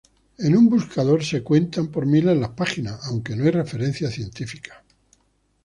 En Google se cuentan por miles las páginas, aunque no hay referencias científicas.